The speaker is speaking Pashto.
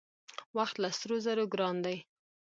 وخت له سرو زرو ګران دی .